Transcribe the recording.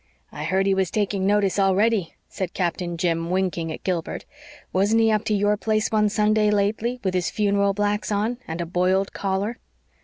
"I heard he was taking notice already," said Captain Jim, winking at Gilbert. "Wasn't he up to your place one Sunday lately, with his funeral blacks on, and a boiled collar?"